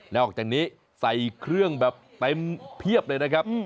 อกจากนี้ใส่เครื่องแบบเต็มเพียบเลยนะครับ